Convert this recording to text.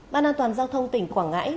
ban an toàn giao thông tỉnh quảng ngãi